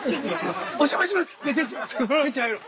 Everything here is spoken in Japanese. お邪魔します。